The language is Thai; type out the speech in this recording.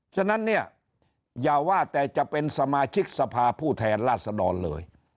ฉะนั้นเนี่ยอย่าว่าแต่จะเป็นสมาชิกสภาผู้แทนราชดรเลย